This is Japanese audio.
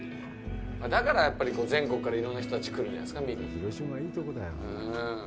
だから、やっぱり全国からいろんな人たち来るんじゃないですか、見に。